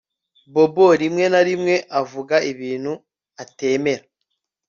Bobo rimwe na rimwe avuga ibintu atemera